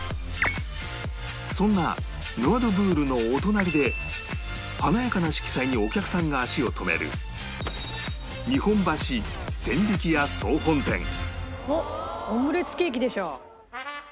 そんなノワ・ドゥ・ブールのお隣で華やかな色彩にお客さんが足を止めるおっオムレツケーキでしょ。